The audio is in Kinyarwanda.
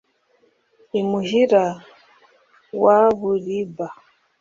i muhurira wa buriba,